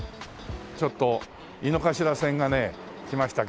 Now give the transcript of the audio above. ちょっと井の頭線がね来ましたけど。